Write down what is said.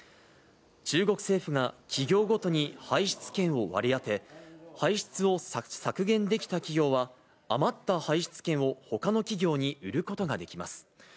中国政府が企業ごとに排出権を割り当て、排出を削減できた企業は、余った排出権をほかの企業に売ることができます。